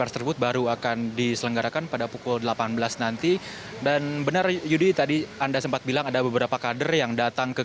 sudah pukul delapan belas nanti dan benar yudi tadi anda sempat bilang ada beberapa kader yang datang ke